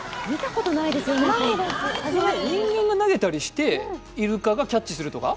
人間が投げたりして、イルカがキャッチするとか？